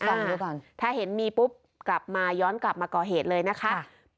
ถ้าเห็นมีปุ๊บกลับมาย้อนกลับมาก่อเหตุเลยนะคะ